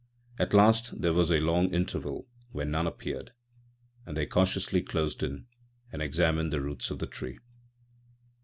At last there was a long interval when none appeared, and they cautiously closed in and examined the roots of the tree.